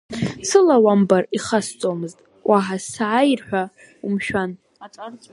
Сыла уамбар ихасҵомызт, уаҳа сааир ҳәа умшәан.